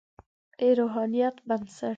د روحانیت بنسټ.